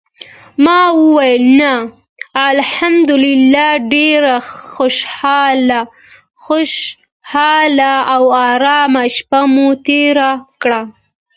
ما ویل: "نه، الحمدلله ډېره خوشاله او آرامه شپه مو تېره کړه".